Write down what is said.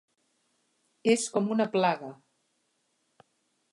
És com una plaga.